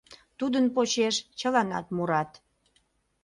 Тудын почеш чыланат мурат.